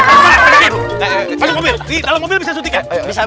masuk mobil kalau mobil bisa disuntik ya